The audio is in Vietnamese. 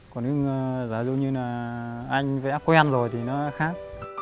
còn giá dụ như là anh vẽ quen rồi thì nó khác